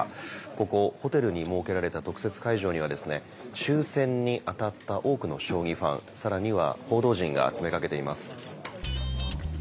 ここ、ホテルに設けられた特設会場には抽選に当たった多くの将棋ファン、更には報道陣が詰めかけています。